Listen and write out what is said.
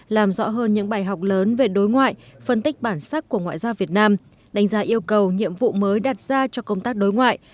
làm rõ hơn những bài học lớn về đối ngoại phân tích bản sắc của ngoại giao việt nam đánh giá yêu cầu nhiệm vụ mới đặt ra cho công tác đối ngoại